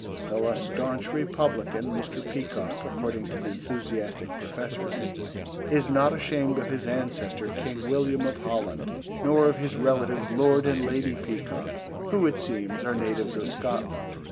Though a staunch Republican, Mr. Peacock, according to the enthusiastic Professor, is not ashamed of his ancestor King William of Holland, nor of his relatives Lord and Lady Peacock who, it seems, are natives of Scotland.